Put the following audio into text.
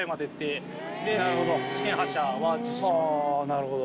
なるほど。